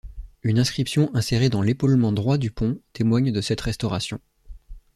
Une inscription insérée dans l’épaulement droit du pont témoigne de cette restauration.